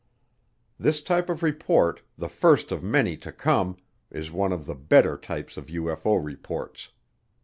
This type of report, the first of many to come, is one of the better types of UFO reports.